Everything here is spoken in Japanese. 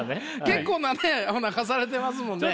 結構なねおなかされてますもんね。